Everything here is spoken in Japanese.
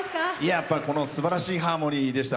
やっぱり、すばらしいハーモニーでした。